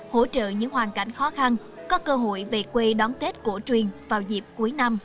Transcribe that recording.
hỗ trợ những hoàn cảnh khó khăn có cơ hội về quê đón tết cổ truyền vào dịp cuối năm